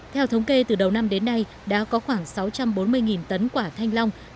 theo thống kê từ đầu năm đến nay đã có khoảng sáu trăm bốn mươi tấn quả thanh long